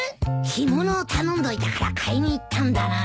干物を頼んどいたから買いに行ったんだな。